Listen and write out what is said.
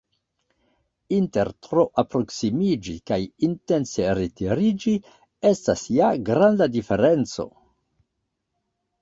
Inter tro alproksimiĝi kaj intence retiriĝi estas ja granda diferenco!